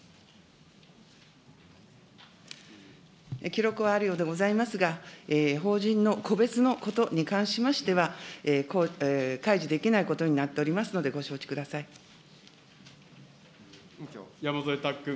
記録はあるようでございますが、法人の個別のことに関しましては、開示できないことになっておりますので、山添拓君。